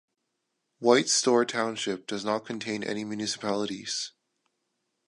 White Store Township does not contain any municipalities.